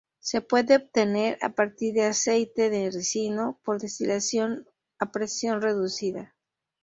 Se puede obtener a partir de aceite de ricino por destilación a presión reducida.